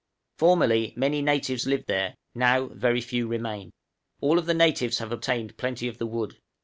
Formerly many natives lived there, now very few remain. All the natives have obtained plenty of the wood.